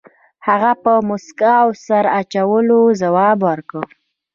هغه په موسکا او سر اچولو ځواب ورکړ.